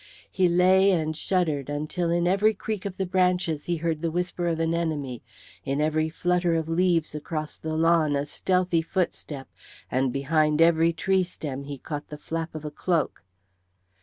He lay and shuddered until in every creak of the branches he heard the whisper of an enemy, in every flutter of leaves across the lawn a stealthy footstep, and behind every tree stem he caught the flap of a cloak.